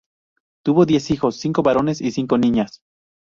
Tuvo diez hijos, cinco varones y cinco niñas.